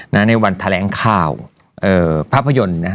นะในวันแทร้งคาวเอ่อภาพยนต์นะ